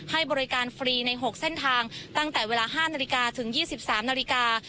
ให้บริการฟรีใน๖เส้นทางตั้งแต่เวลา๕นาฬิกาถึง๒๓นาฬิกา